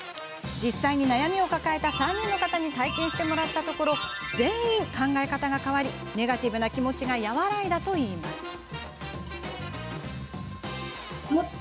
実際に、悩みを抱えた３人の方に体験してもらったところ全員、考え方が変わりネガティブな気持ちが和らいだといいます。